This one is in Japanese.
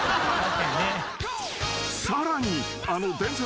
［さらに］